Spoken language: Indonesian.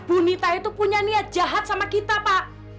bu nita itu punya niat jahat sama kita pak